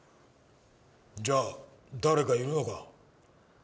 じゃあ誰かいるのか？